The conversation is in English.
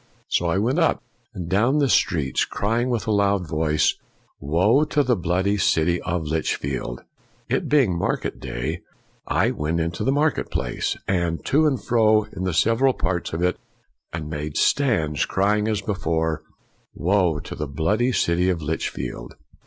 So I went up and down the streets crying with a loud voice, ' Woe to the bloody city of Lichfield! 1 It being market day, I went into the market place, and to and fro in the several parts of it, and made stands, crying as before, 1 Woe to the bloody city of Lichfield.'